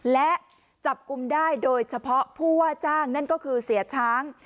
และจับกลุ่มได้โดยเฉพาะผู้ว่าจ้างนั่นก็คือเสียช้าง